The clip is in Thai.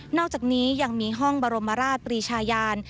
อกจากนี้ยังมีห้องบรมราชปรีชายาน